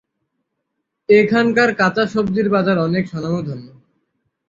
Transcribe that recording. এখানকার কাঁচা সবজির বাজার অনেক স্বনামধন্য।